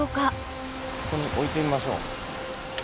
ここに置いてみましょう。